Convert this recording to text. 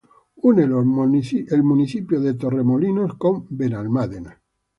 Une los municipios de Torremolinos con Benalmádena.